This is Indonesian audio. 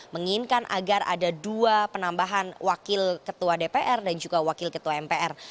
menginginkan agar ada dua penambahan wakil ketua dpr dan juga wakil ketua mpr